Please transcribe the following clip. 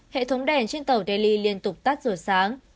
hệ thống đèn trên tàu delhi liên tục tắt giờ sáng